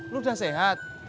lu udah sehat